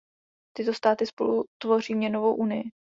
Tyto státy spolu tvoří měnovou unii.